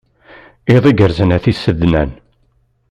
Iḍ igerrzen a tisednan.